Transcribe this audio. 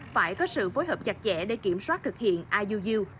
phải có sự phối hợp chặt chẽ để kiểm soát thực hiện iuu